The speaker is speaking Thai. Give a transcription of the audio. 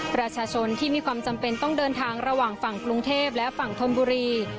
ประชาชนที่มีความจำเป็นต้องเดินทางระหว่างฝั่งกรุงเทพและฝั่งธนบุรี